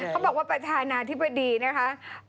เขาบอกว่าประธานาธิบดีนะคะ